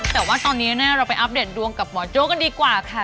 แต่ว่าตอนนี้เราไปอัปเดตดวงกับหมอโจ๊กกันดีกว่าค่ะ